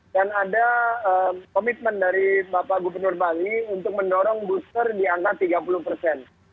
dan ada komitmen dari bapak gubernur bali untuk mendorong booster di angka tiga puluh persen